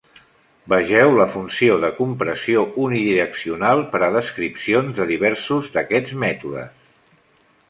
Vegeu la funció de compressió unidireccional per a descripcions de diversos d'aquests mètodes.